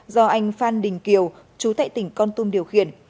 do anh phan đình kiều chú tại tỉnh con tum điều khiển